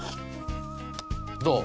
どう？